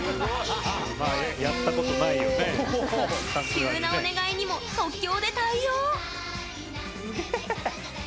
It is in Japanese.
急なお願いにも即興で対応。